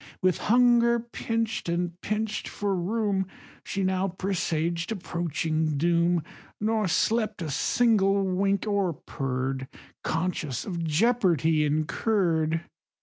With hunger pinch'd, and pinch'd for room, She now presaged approaching doom, Nor slept a single wink, or purr'd, Conscious of jeopardy incurr'd.